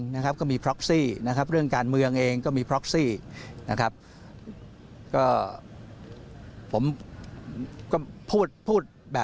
สวัสดีพลิกวีดีโมงให้ทุกคนก็ขอให้ประชาชนทุกคนได้